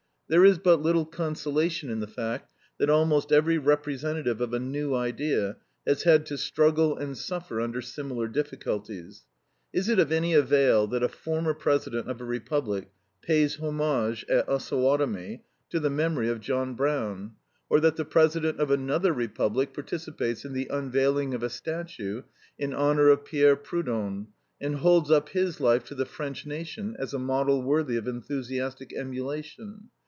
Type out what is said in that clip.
There is but little consolation in the fact that almost every representative of a new idea has had to struggle and suffer under similar difficulties. Is it of any avail that a former president of a republic pays homage at Osawatomie to the memory of John Brown? Or that the president of another republic participates in the unveiling of a statue in honor of Pierre Proudhon, and holds up his life to the French nation as a model worthy of enthusiastic emulation?